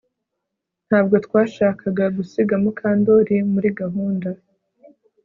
Ntabwo twashakaga gusiga Mukandoli muri gahunda